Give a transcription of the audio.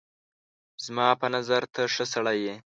زما په نظر ته ښه سړی یې